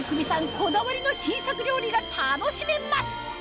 こだわりの新作料理が楽しめます